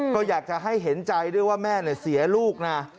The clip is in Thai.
ก็อยากจะให้เห็นใจด้วยว่าแม่เสียลูกนะ